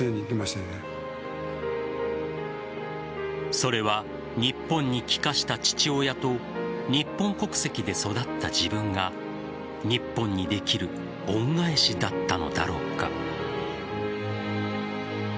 それは日本に帰化した父親と日本国籍で育った自分が日本にできる恩返しだったのだろうか。